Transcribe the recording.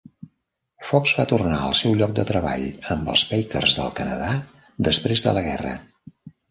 Fox va tornar al seu lloc de treball amb els Packers del Canadà després de la guerra.